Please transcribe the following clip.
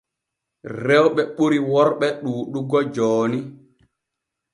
Rewɓe ɓuri worɓe ɗuuɗugo jooni.